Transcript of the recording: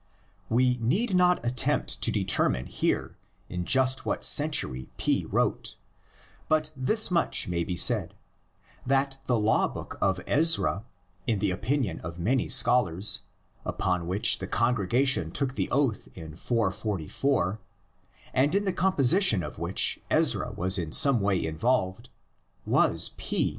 We need not attempt to determine here in just what century P wrote; but this much may be said, that the Law book of Ezra, in the opinion of many scholars, upon which the congregation took the oath in 444, and in the composition of which Ezra was in some way involved, was P.